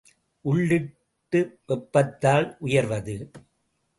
உள்ளிட்டு வெப்பத்தால் உயர்வது.